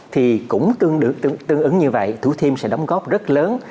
thì cũng tương ứng như vậy thủ thiêm sẽ đóng góp rất lớn